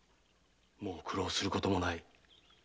もう苦労することもない。